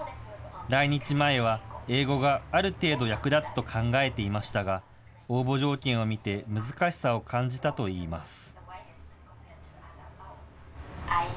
来日前は英語がある程度役立つと考えていましたが、応募条件を見て難しさを感じたといいます。